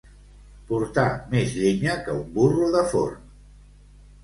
Portar més llenya que un burro de forn.